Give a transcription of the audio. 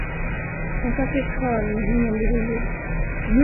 Han satt i ett hörn med hängande huvud.